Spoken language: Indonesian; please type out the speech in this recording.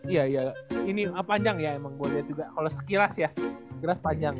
iya iya ini panjang ya emang boleh juga kalo sekilas ya sekilas panjang